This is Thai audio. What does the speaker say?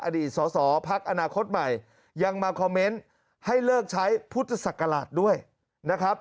อดีตสอสอพักอนาคตใหม่ยังมาคอมเมนต์ให้เลิกใช้พุทธศักราชด้วยนะครับ